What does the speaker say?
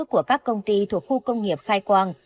của các công ty thuộc khu công nghiệp khai quang